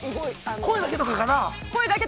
◆声だけとかかな。